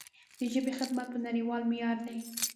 د ژبې خدمت په نړیوال معیار دی.